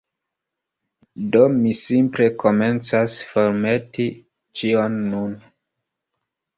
Do, mi simple komencas formeti ĉion nun